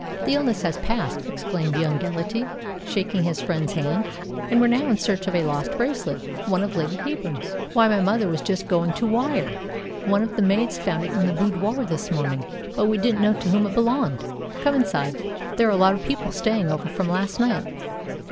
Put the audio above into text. "The illness has passed," exclaimed young Gellatly, shaking his friend's hand. "And we're now in search of a lost bracelet one of Lady Heyburn's." "Why, my mother was just going to wire! One of the maids found it in the boudoir this morning, but we didn't know to whom it belonged. Come inside. There are a lot of people staying over from last night."